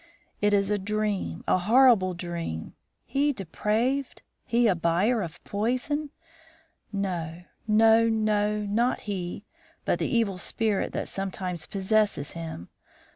It is a dream! a horrible dream! He depraved? he a buyer of poison? no, no, no, not he, but the evil spirit that sometimes possesses him.